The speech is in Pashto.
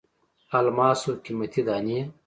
الماسو قیمتي دانې.